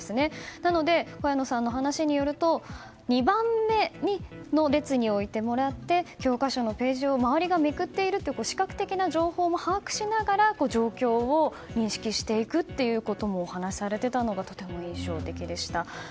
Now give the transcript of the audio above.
なので、小谷野さんの話によると２番目の列に置いてもらって教科書のページを周りがめくっているという視覚的な情報も把握しながら状況を認識していくということもお話しされていたのがとても印象的でした。